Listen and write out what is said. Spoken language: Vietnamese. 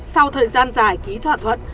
sau thời gian dài ký thỏa thuận